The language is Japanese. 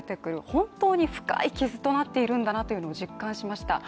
本当に深い傷となっているんだなというのを実感しました。